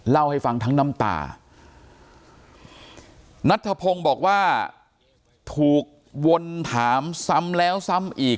เล่าให้ฟังทั้งน้ำตานัทธพงศ์บอกว่าถูกวนถามซ้ำแล้วซ้ำอีก